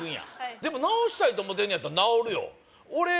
でも直したいと思うてんのやったら直るよ